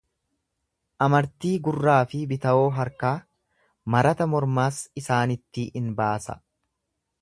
Amartii gurraa fi bitawoo harkaa, marata mormaas isaanittii in baasa.